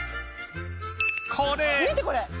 これ！